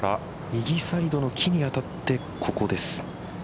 右サイドの気に当たってここです。